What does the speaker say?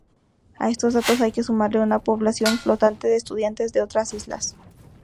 A estos datos hay que sumarle una población flotante de estudiantes de otras islas.